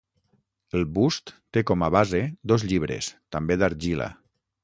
El bust té com a base dos llibres, també d'argila.